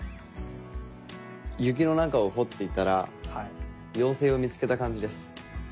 雪の中を掘っていたら妖精を見つけた感じです。